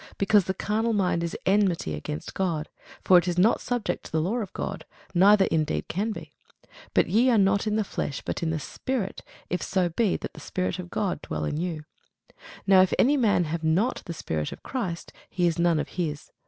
Because the carnal mind is enmity against God: for it is not subject to the law of God, neither indeed can be. But ye are not in the flesh, but in the Spirit, if so be that the Spirit of God dwell in you. Now if any man have not the Spirit of Christ, he is none of his.